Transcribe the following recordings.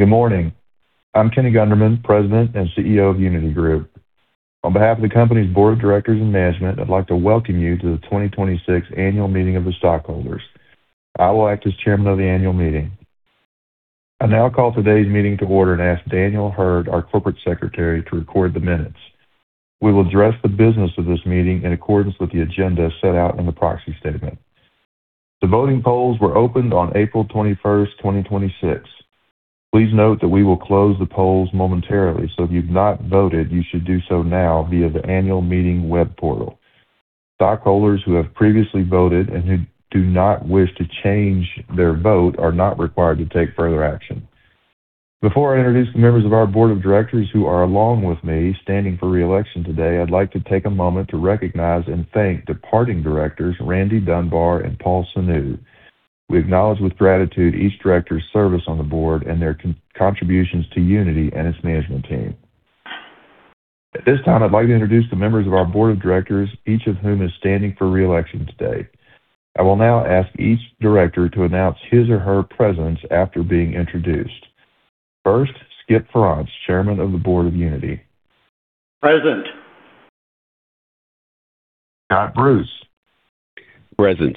Good morning. I'm Kenny Gunderman, President and CEO of Uniti Group. On behalf of the company's board of directors and management, I'd like to welcome you to the 2026 Annual Meeting of the Stockholders. I will act as chairman of the annual meeting. I now call today's meeting to order and ask Daniel Heard, our corporate secretary, to record the minutes. We will address the business of this meeting in accordance with the agenda set out in the proxy statement. The voting polls were opened on April 21st, 2026. Please note that we will close the polls momentarily, so if you've not voted, you should do so now via the annual meeting web portal. Stockholders who have previously voted and who do not wish to change their vote are not required to take further action. Before I introduce the members of our board of directors who are along with me standing for re-election today, I'd like to take a moment to recognize and thank departing directors Randy Dunbar and Paul Sunu. We acknowledge with gratitude each director's service on the board and their contributions to Uniti and its management team. At this time, I'd like to introduce the members of our board of directors, each of whom is standing for re-election today. I will now ask each director to announce his or her presence after being introduced. First, Skip Frantz, Chairman of the Board of Uniti. Present. Scott Bruce. Present.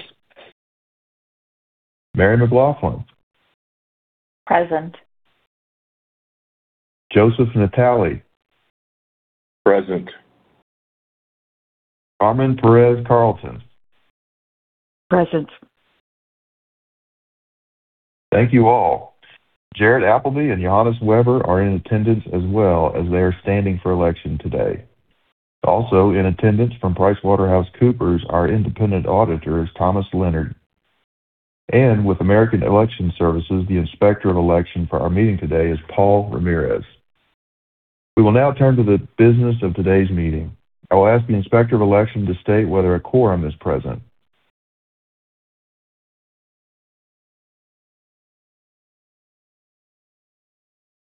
Mary McLaughlin. Present. Joseph Natale. Present. Carmen Perez-Carlton. Present. Thank you all. Jarrett Appleby and Johannes Weber are in attendance as well as they are standing for election today. Also in attendance from PricewaterhouseCoopers, our independent auditor, is Thomas Leonard. With American Election Services, the Inspector of Election for our meeting today is Paul Ramirez. We will now turn to the business of today's meeting. I will ask the Inspector of Election to state whether a quorum is present.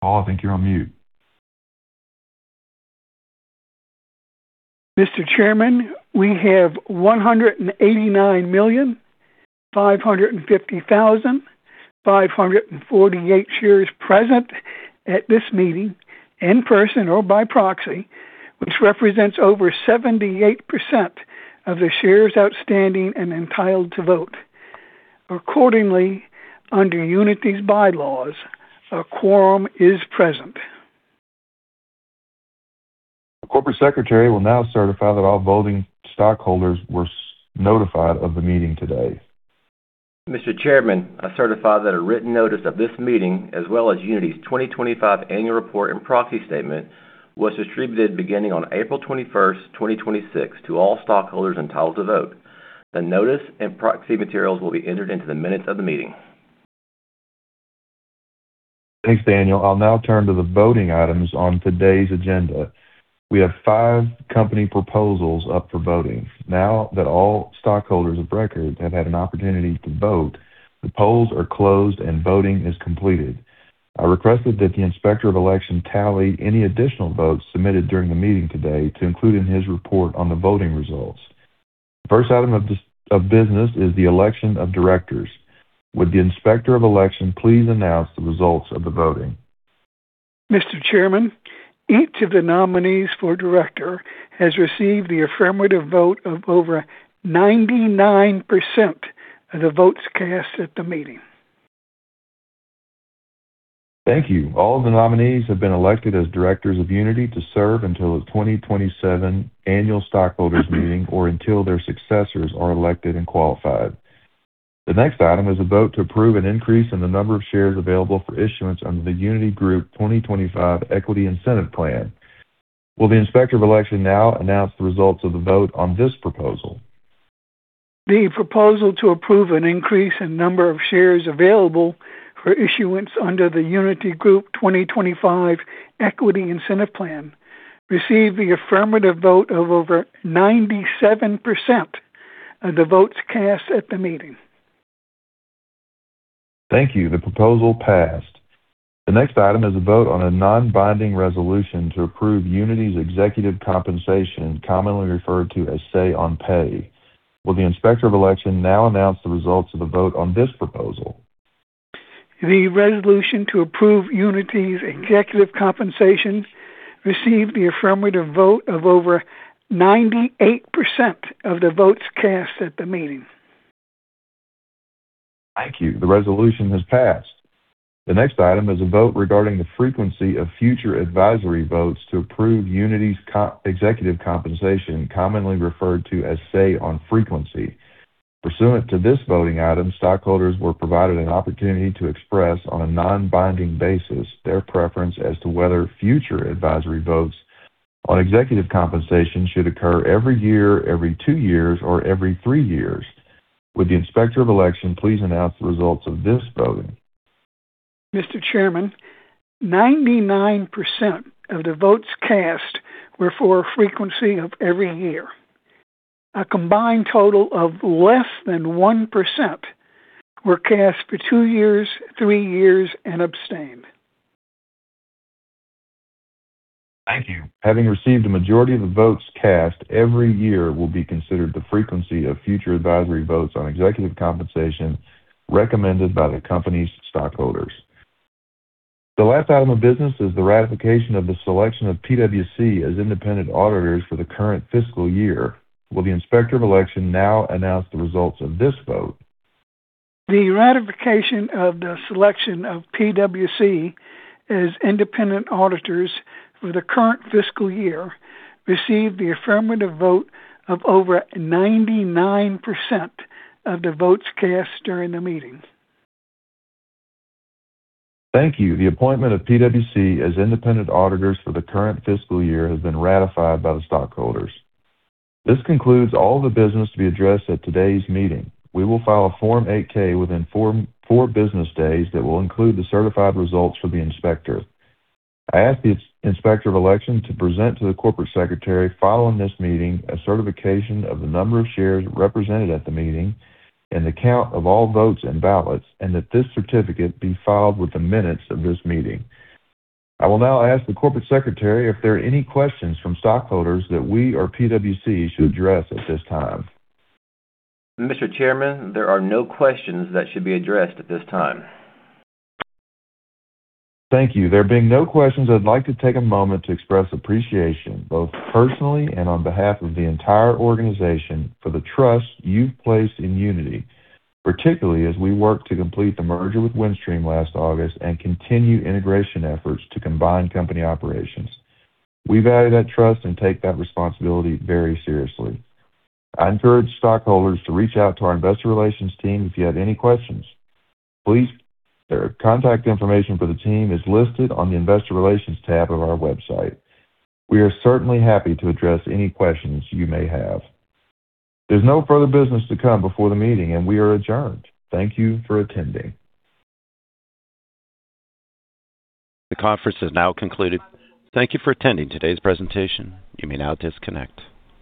Paul, I think you're on mute. Mr. Chairman, we have 189,550,548 shares present at this meeting in person or by proxy, which represents over 78% of the shares outstanding and entitled to vote. Accordingly, under Uniti's bylaws, a quorum is present. The Corporate Secretary will now certify that all voting stockholders were notified of the meeting today. Mr. Chairman, I certify that a written notice of this meeting, as well as Uniti's 2025 Annual Report and Proxy Statement, was distributed beginning on April 21st, 2026 to all stockholders entitled to vote. The notice and proxy materials will be entered into the minutes of the meeting. Thanks, Daniel. I'll now turn to the voting items on today's agenda. We have five company proposals up for voting. Now that all stockholders of record have had an opportunity to vote, the polls are closed, and voting is completed. I requested that the Inspector of Election tally any additional votes submitted during the meeting today to include in his report on the voting results. The first item of business is the election of directors. Would the Inspector of Election please announce the results of the voting? Mr. Chairman, each of the nominees for director has received the affirmative vote of over 99% of the votes cast at the meeting. Thank you. All of the nominees have been elected as directors of Uniti to serve until the 2027 annual stockholders meeting or until their successors are elected and qualified. The next item is a vote to approve an increase in the number of shares available for issuance under the Uniti Group 2025 Equity Incentive Plan. Will the Inspector of Election now announce the results of the vote on this proposal? The proposal to approve an increase in number of shares available for issuance under the Uniti Group 2025 Equity Incentive Plan received the affirmative vote of over 97% of the votes cast at the meeting. Thank you. The proposal passed. The next item is a vote on a non-binding resolution to approve Uniti's executive compensation, commonly referred to as say on pay. Will the Inspector of Election now announce the results of the vote on this proposal? The resolution to approve Uniti's executive compensation received the affirmative vote of over 98% of the votes cast at the meeting. Thank you. The resolution has passed. The next item is a vote regarding the frequency of future advisory votes to approve Uniti's executive compensation, commonly referred to as say on frequency. Pursuant to this voting item, stockholders were provided an opportunity to express on a non-binding basis their preference as to whether future advisory votes on executive compensation should occur every one year, every two years, or every three years. Would the Inspector of Election please announce the results of this voting? Mr. Chairman, 99% of the votes cast were for a frequency of every year. A combined total of less than 1% were cast for two years, three years, and abstain. Thank you. Having received a majority of the votes cast, every year will be considered the frequency of future advisory votes on executive compensation recommended by the company's stockholders. The last item of business is the ratification of the selection of PwC as independent auditors for the current fiscal year. Will the Inspector of Election now announce the results of this vote? The ratification of the selection of PwC as independent auditors for the current fiscal year received the affirmative vote of over 99% of the votes cast during the meeting. Thank you. The appointment of PwC as independent auditors for the current fiscal year has been ratified by the stockholders. This concludes all the business to be addressed at today's meeting. We will file a Form 8-K within four business days that will include the certified results for the inspector. I ask the Inspector of Election to present to the Corporate Secretary following this meeting a certification of the number of shares represented at the meeting and the count of all votes and ballots, and that this certificate be filed with the minutes of this meeting. I will now ask the Corporate Secretary if there are any questions from stockholders that we or PwC should address at this time. Mr. Chairman, there are no questions that should be addressed at this time. Thank you. There being no questions, I'd like to take a moment to express appreciation, both personally and on behalf of the entire organization, for the trust you've placed in Uniti, particularly as we work to complete the merger with Windstream last August and continue integration efforts to combine company operations. We value that trust and take that responsibility very seriously. I encourage stockholders to reach out to our investor relations team if you have any questions. Contact information for the team is listed on the investor relations tab of our website. We are certainly happy to address any questions you may have. There's no further business to come before the meeting, and we are adjourned. Thank you for attending. The conference is now concluded. Thank you for attending today's presentation. You may now disconnect.